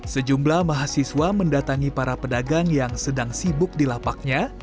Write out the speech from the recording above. sejumlah mahasiswa mendatangi para pedagang yang sedang sibuk di lapaknya